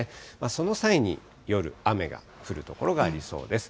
その際に、夜雨が降る所がありそうです。